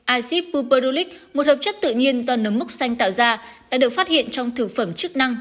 acid puperulic một hợp chất tự nhiên do nấm múc xanh tạo ra đã được phát hiện trong thực phẩm chức năng